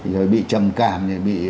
rồi bị trầm cảm